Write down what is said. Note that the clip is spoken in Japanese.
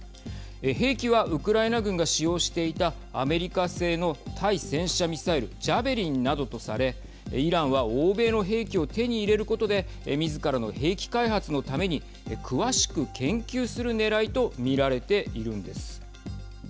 兵器はウクライナ軍が使用していたアメリカ製の対戦車ミサイルジャベリンなどとされイランは欧米の兵器を手に入れることでみずからの兵器開発のために詳しく研究するねらいと見られているんです。